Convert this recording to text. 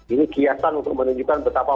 ini kiasan untuk menunjukkan betapa